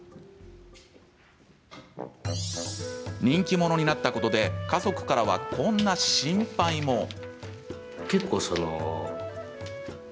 人気者になったことで家族からはこんな心配も。